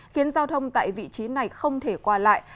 khiến giao thông tại vị trí này không thể qua lại